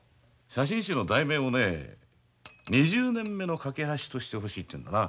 写真集の題名をね「二十年目のかけ橋」としてほしいと言うんだな。